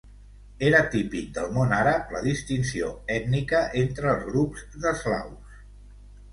Era típic del món àrab la distinció ètnica entre els grups d'eslaus.